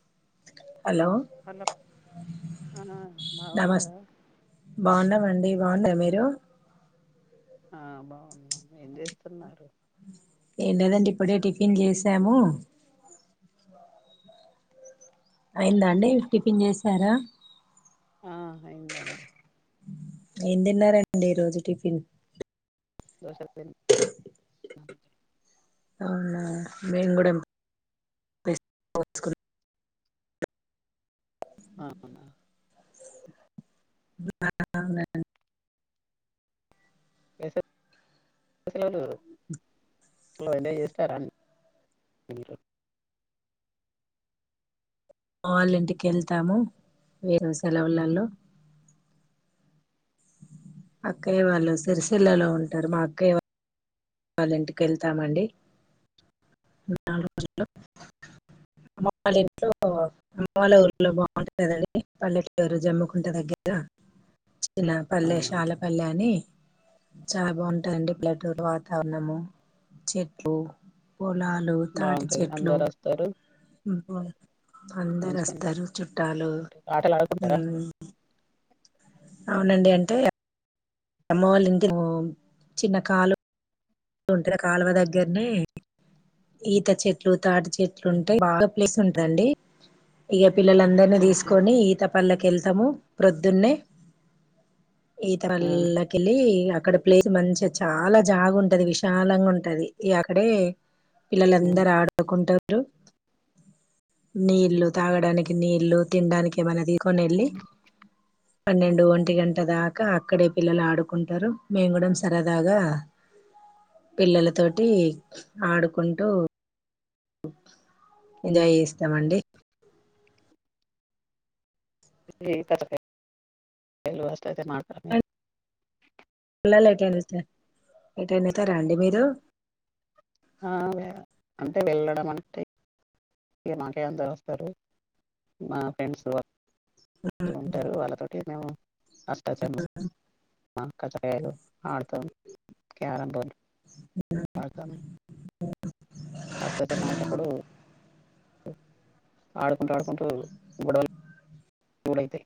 [inaudible] Hello hello ఆ బాగున్నారా నమస్తే బాగున్నామండి బాగున్నారా మీరు ఆ బాగున్నామ్ ఏం చేస్తున్నారు ఏం లేదండి ఇప్పుడే టిఫిన్ చేసాము అయిందండి టిఫిన్ చేసారా ఆ అయిందండి ఏం తిన్నారండి ఈ రోజు టిఫిన్ దోస పెని అవునా మేయిన్ కూడా నస్క [unintelligible] ఆహా [unintelligible] అసలు ఎంజాయ్ చేస్తార మా వాళ్ళ ఇంటిక వెళ్తాము మీరు ఉహు, సలవుల్లలో అక్కయ్య వాళ్ళు సిరిసిల్లలో ఉంటారు మా అక్కయ్య వాళ్ అ వాళ్ళ ఇంటికి వెళ్తామండి నాలుగు రోజులు అమ్ళ్ళ ఇంట్లో అమ్మళ ఊళ్లో బాగుంటుందిండి పల్లెటరు జమ్ముకుంట దగ్గర చిన్న పల్లె అవునా శాలపల్లె అని చాలా బాగుంటాయండి పల్లెటూరు దనము చెట్లు పొలాలు, తాటి బాగుంటది చెట్లు అందరు వస్తారు బ [inaudible] అందరు మంచిగుంటది అస్తరు చుట్టాలు ఆటలు ఆడుకుంటారా హ్మ్ ంతే అమ్మ వాళ్ళింటికి పోమ్ చిన్న కాలు వ ఉంటే ఆ కాలువ దగ్గరనే ఈత చెట్లు, తాటి చెట్లు ఉంటయి బాగా ప్లేస్ ఉంటదండి. ఇగ పిల్లలందరినీ ఉమ్ తీసుకొని ఈత పళ్ళకు వెళ్తాము ప్రొద్దున్నే. ఉమ్ ఈతరల్లా కెల్లీ అక్కడ ప్లేస్ మంచిగ చాలా జాగు ంటది విశాలంగా ఉంటది ఇగ అక్కడే ఉమ్. పిల్లలందరు ఆడుకుంట రు నీళ్లు తాగడానికి నీళ్లు తినడానికి ఏమైనా తీసుకొని వెళ్ళి పన్నెండు ఒంటి గంట దాకా అక్కడే పిల్లలు ఆడుకుంటరు, మేము కూడా సరదాగా పిల్లలతోటి ఆడుకుంటూ ఎంజాయ్ చేస్తామండి. [inaudible] కజ్జకాయలు, అష్టాచెమ్మా ఆడతర మీరు. [inaudible] లైట్ [inaudible] ఎటైనా ఎలతారా అండి మీరు. ఆ వె- అంటే వెళ్ళడం అంటే ఇగ మాకేయి అందరూ వస్తరు మా ఫ్రెండ్స్ ఉంటరు వాళ్ళతోటి మేము అష్టాచమ్మా కచ్చకాయలు ఆడతాం. క్యారం బోర్డ్ ఆడుతాను. అష్టాచమ్మా ఆడేటప్పుడు ఆడుకుంటూ, ఆడుకుంటూ గొడవలు బొలైతయి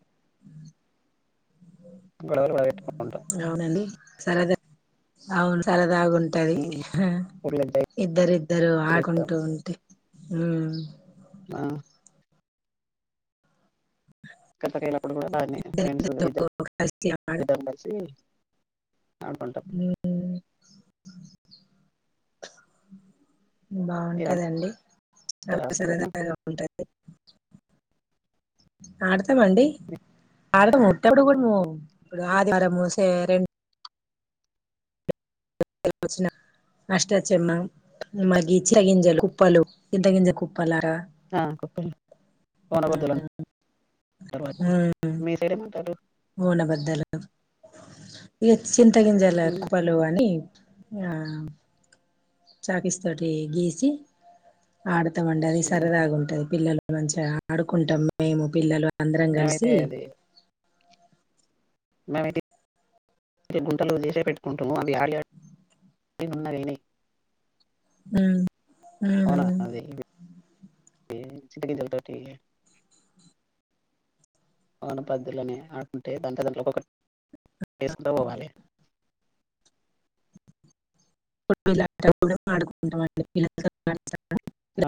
గొడవలు కూడా పెట్టుకుంటాం. అవునండి సరదా అవును సరద దాగుంటది ఆ ఫుల్ ఎంజాయ్ ఇద్దరిద్దరు చేస్తాం ఆకుంటూ ఉంటే. ఉ ఆ కచ్చకాయలప్పుడు కూడా బాగానే ఫ్రెండ్స్ ఇద్దరు కలిసి ఇద్దరం కలిసి ఆడుకుంటాం హ్మ్ మీరు బాగుంటదండి చాలా ఆడుతారా అష్టచమ్మ సరదగా ఉంటది. ఆడు తంమండి ఆడుతము. [unintelligible] పో ఇప్పుడు ఆదివారము సే దేన్ వచ్చిన అష్టచమ్మ మాగించి, ఆ గిింజలు కుప్పలు, చింతగిింజ కుప్ప ఆ కుప్ప [inaudible] మీ సైడ్ ఏమంటారు పోన బద్దలు ఏ చింతగింజల కుప్పలు అని నా చాక్పీస్ తోటి గీసి ఆడ మండి అది సరదాగా ఉంటది. పిల్లలు మంచిగా ఆడుకుంటాం. మేము పిల్లలు అందరం మేమైతే కలిసి అది మేమైతే గుంటలు చేసే పెట్టుకుంటాము. అవి ఆడి ఆడి ఉన్నవి. హ్మ్ హ్మ్ ఏ చింత గింజల్ తోటి పవన పద్ధులని ఆడుతుంటే దాంత దాంట్లోపల ఏసుకుంట పోవాలి. [inaudible] [inaudible] ఆడుకుంటామండి పిల్లలతో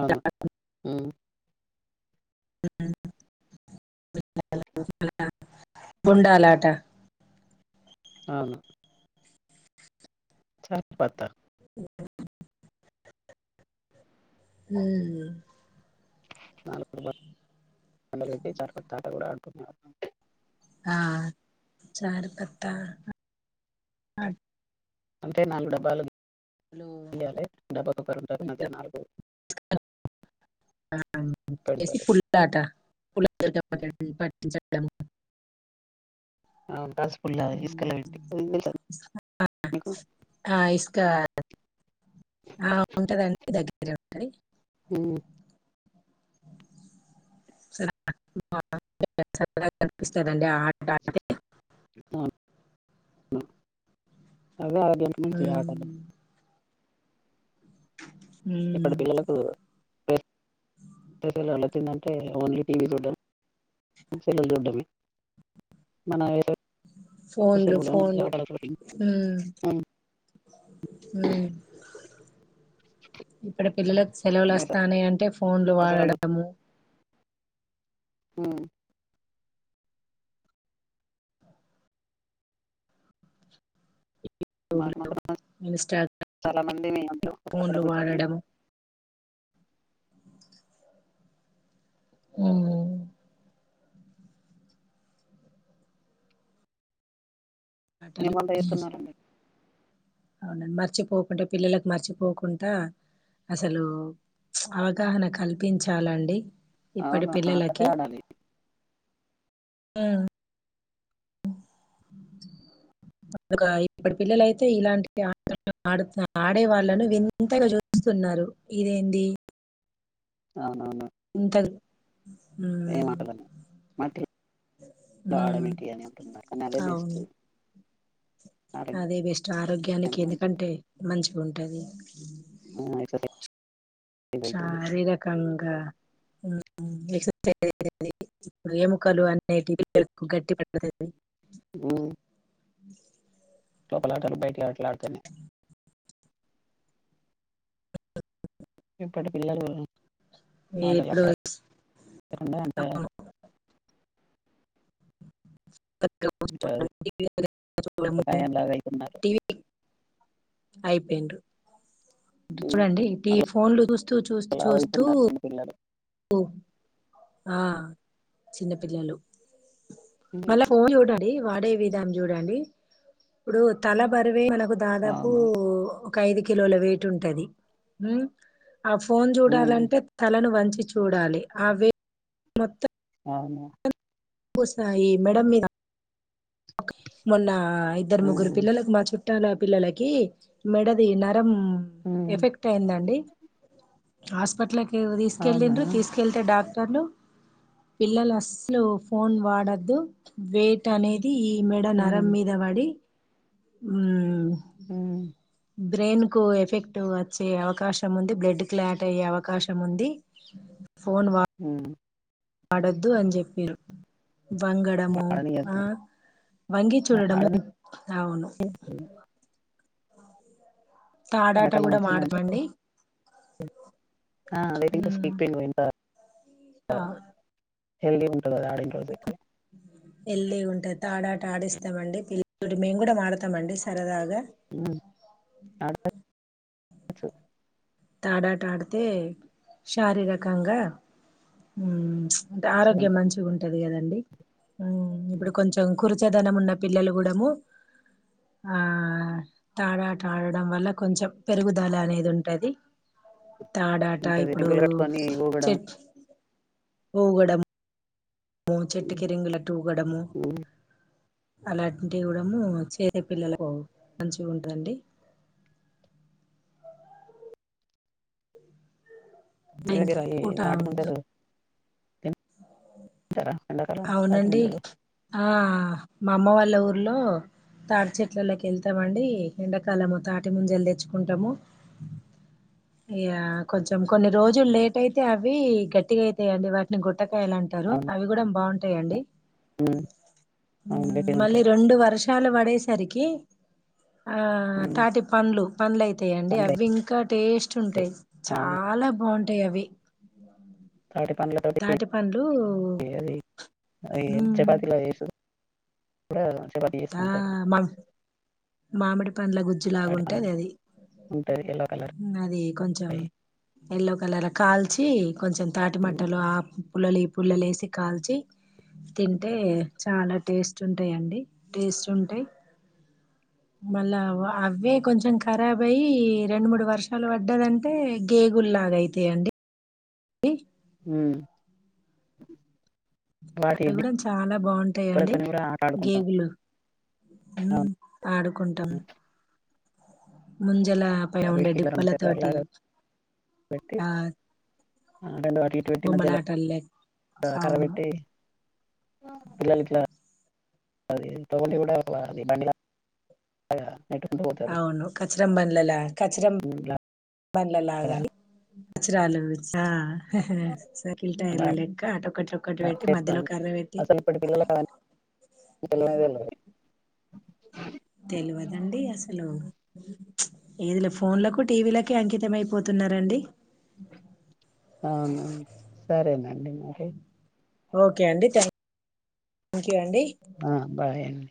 అవునా హ్మ్ గుండాలాట అవును చార్ పత్తా హ్మ్ నాలుగు డబ్బాలు పెట్టి చార్ పత్తా ఆట కూడా ఆడుకునే వాళ్ళం. ఆ చార్ పత్తా [inaudible] అంటే నాలుగు డబ్బాలు [unintelligible] గీయాలి డబ్బాకు ఒకరు ఉంటారు మధ్యలో నాలుగు పెడతారు పు పట్టిచట్టం ఆ ఉండాల్సిందే మీకు ఆ ఇసుకా ఆ ఉంటదండి. దగ్గరే ఉంటది. సరదాగా కనిపిస్తాదండి. ఆ ఆట అంటే ఆ అవే ఆ గెలిపించే ఆటలు ఉమ్ ఇప్పడి పిల్లలకు వచ్చిందంటే ఓన్లీ టీవీ చూడడం, సెల్లులు చూడడమే మన ఫోన్లు సెల్లులు మంచిగా ఫోన్లు ఆటలు హ్మ్ హ్మ్ ఇప్పడి పిల్లలకు సెలవులు వస్తున్నాయి. అంటే ఫోన్లు దసరాలు వాడడము. ఆ మాకు మాత్రం ఇన్స్టా చాలా మంది మేమందరం ఒక దగ్గర ఫోన్లు కూర్చొని వాడడము హ్మ్ ఎం ఆటలు వంట చేస్తున్నారండి అవున మర్చిపోకుండ పిల్లలకు మర్చిపోకుంట అసలు అవగాహన కల్పించాలండి ఇప్పడి అవును ఆటలే పిల్లలకి ఆడాలి ఆ అ ఇప్పుడు పిల్లలైతే ఇలాంటి ఆడు ఆడే వాళ్ళను వింతగా చూస్తున్నారు ఇదేంది అవునువును ఇంతరు ఏమాట ఆ మట హ్మ్. ఆడమిటి అని అంటున్నారు కానీ అదే బెస్ట్ అవును. అదే బెస్ట్ ఆరోగ్యానికి ఎందుకంటే మంచిగా ఉంటది ఎక్సర్సైజ్ అవుతుంది శారీరకంగా ఎక్ససైజ్ ఎముకలు అనేటి గట్టి పడుతు హ్మ్ చప్పలా చలు బయటిల కలాడుత [inaudible] ఇప్పుటి పిల్లలు ఏ ఆటలు ఇప్పుడు ఆడకుండా అంత అంత ముపకాయం లాగా అవుతున్నారు [inaudible] అయిపోయిండ్రు చూడండి ఇ ఫోన్లు చూస్తూ చూస్తూ లావు చూస్తూ అవుతున్నారు చిన్న పిల్లలు ఆ చిన్నపిిల్లలు మల్ల ఫోన్ చు వాడే విధాం చూడండి ఇప్పుడు తల బరువే మన ఓ దాదాపు అవును ఒక ఐదు కిలోల వెయిట్ ఉంటది ఆ ఫోన్ ఉమ్ చూడాలంటే తలను వంచి చూడాలి అవిే మొత్తం అవునా సయి మేడంమ్ మీద మొన్న ఇద్దరు ముగ్గురు ఉమ్ పిల్లలకు మా చుట్ట చుట్టాల పిల్లలకి మెడది నా ఉమ్ ఎఫెక్ట్ అయిందండి హాస్పిట్ల అవునా తీసుకెళ్ళిండ్రు తీసుకళ్తే డాక్ పిల్లలు పిల్లలు అస్లు ఫోన్ వాడద్దు వెయిట్ అనేది ఈ మెడ నరం ఉమ్ మీద పడి ఊమ్ మ్ బ్రెయిన్ కు ఎఫెక్ట్ వచ్చే అవకాశం ఉంది బ్లడ్ క్లాట్ అయ్యే అవకాశం ఉంది ఉమ్ అడొద్దు అని జెప్పిరు వంగడమో ఆ ఆడనీయద్దు వంగి చూడడమో అవును ఆడనీయద్దు తాడాట ఎండాకాలం కూడా వచ్చిందంటే ఆడతామండి ఆ [inaudible] [inaudible] ఆహ్ హెల్ది [inaudible] అయితే ఎల్లి ఉంటది తాడాట ఆడిస్తామండి పిల్ల మేం కూడాం అడుతామండి సరదగా హమ్ అడత అచ్చు తాడాట ఆడితే శారీరకంగా హామ్ అంటే ఆరోగ్యం మంచిగ ఉంటది కదా అండి హమ్ ఇప్పుడు కొంచెం కుర్ చదనం ఉన్న పిల్లలు కూడము ఆ తాడాట ఆడడం వల్ల కొంచెం పెరుగుదల అనేది ఉంటది తాడాట ఇంత ఇప్పుడు రింగులు కట్టుకొని ఊగడం చెట్ ఊగడం మో చెట్టుకి రింగులట్టి ఊగడము ఉమ్, అలాంటివి కూడము ఇవ్వడము చేసే పిల్లలకు మంచిగ ఉంటదండి మీ దగ్గర సాయంత్రం ఏ పూట తాటి ముంజలు తింటారా ఎండాకాలం తాటి అవునండి ముంజలు ఆ మా అమ్మ వాళ్ళ ఊర్లో తాటి చెట్లల్లకి వెళ్తమండి ఎండాకాలము తాటి ముంజలు తెచ్చుకుంటాము ఇగా కొంచెం కొన్ని రోజులు లేట్ అయితే అవి గట్టిగా అయితయండి వాటిని గొట్టక [unintelligible] అంటారు అవును అవి కూడా బాగుంటాయండి ఉమ్ అవును గట్టిగా మళ్ళీ ఉంటాయి రెండు వర్ష చాలా వడేసరికి ఆ ఉమ్ తాటి పండ్లు పండ్లు అయితయండి పండ్లు అవి ఇంకా టేస్ట్ అయితాయి ఉంటాయి అవును చాలా బాగుం యి అవి తాటి పండ్ల తోటి తాటి పండ్లు అది అది హుమ్ చపాతీలో [unintelligible] ఆ చేసుకుంటారు మాక్ మామిడి పండ్ల తాటి గుజ్జులాగుంటది పండ్లు అది ఉంటది ఎల్లో కలర్ అది కొంచెం అయి ఎల్లో కలర్ కాల్చి కొంచెం తాటి ఉమ్ మట్టలు ఆ పుల్లలీ పుల్లలేసి కాల్చి తింటె చాలా టేస్ట్ఉంటాయ్ అండి టేస్టుంటాయ్. మళ్ళా అవే కొంచెం ఖరాబ్ అయి రెండు మూడు వర్షాలు పడ్డాయటే గేగుల్లాగ అయితాయిండి డి ఉమ్ వాటి అవిగుడ చాలా బాగుంటాయండి డిప్పలతోని కూడా ఆట ఆడుకుంటాం గేగులు అవును ఆడుకుంటాం మం జల ప ఉండే వీటికి ఇట్లా రెండు డిప్పల చక్రాలు తోటి లాగా పెట్టి ఆ రెండు అటి ఇటు పెట్టిమధ్యలో బొమ్మలాటల్లే కర్ర అవును పెట్టి పిల్లలెట్ల అది తడి కూడా అది బండి అవును కచరం బన్లలా కచరం బళ్ళ ఇలాగా లాగాలి అచ్చరాలు సర్కిల్ టయల్ల లెక్క అటుక్కటి ఇటుక్కటి చేసిన అసలు ఇప్పటి పిల్లలకు అవి అన్ని తెలవనే తెలువదు తెలువదండి అసలు ఏదిలో ఫోన్లకు టీవీలకే అంకితం అయిపోతున్నరండి. ఆ సరేనా స [inaudible] ఓకే అండి థ్యాంక్ క్ ఆ బాయ్ అండి